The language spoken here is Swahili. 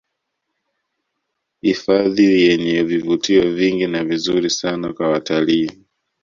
Hifadhi yenye vivutio vingi na vizuri sana kwa watalii